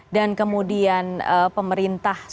dan kemudian pemerintah sudah